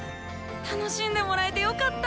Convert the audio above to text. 楽しんでもらえてよかった。